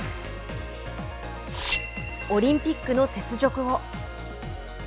オリンピックの雪辱を。